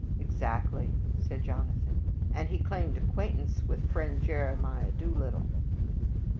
"Exactly," said Jonathan; "and he claimed acquaintance with friend Jeremiah Doolittle."